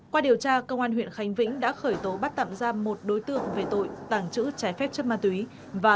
qua điều tra công an huyện khánh vĩnh đã khởi tố bắt tạm ra